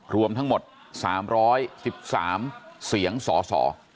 รวมทั้งหมด๓๑๓เสียงสส